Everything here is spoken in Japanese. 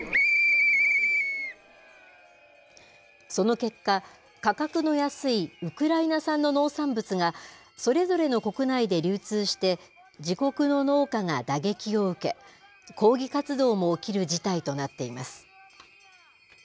その結果、価格の安いウクライナ産の農産物がそれぞれの国内で流通して、自国の農家が打撃を受け、抗議活動も起きる事態となっています。